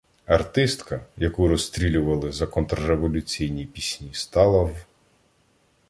Артистка, яку розстрілювали за "контрреволюційні" пісні, стала в